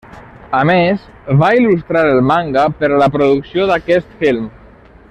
A més, va il·lustrar el manga per a la producció d’aquest film.